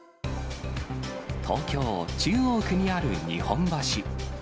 東京・中央区にある日本橋。